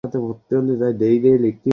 মাল উঠাব, আর ফেরত আসবো।